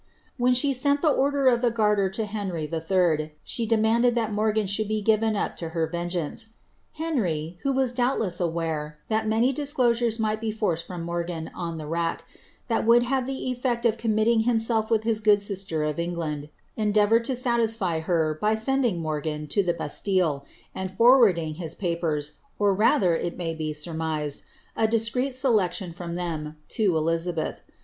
When she sent the order of the Garter 0 Henry III., she demanded that Morgan should be given up to her ven geance. Henry, who was doubtless aware that many disclosures might )e forced from Morgan on the rack, that would have the eflect of com nitting himself with his good sister of England, endeavoured to satisfy ler by sending Morgan to the Bastile, and forwarding his papers, or ather, it may be surmised, a discreet selection from them, to PUizabeth.